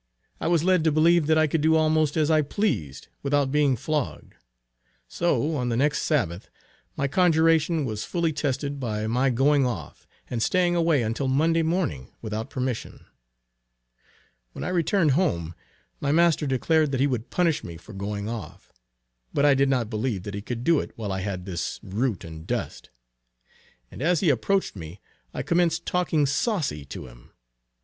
I was led to believe that I could do almost as I pleased, without being flogged. So on the next Sabbath my conjuration was fully tested by my going off, and staying away until Monday morning, without permission. When I returned home, my master declared that he would punish me for going off; but I did not believe that he could do it while I had this root and dust; and as he approached me, I commenced talking saucy to him.